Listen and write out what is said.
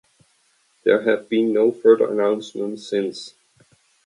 There have been no further announcements since.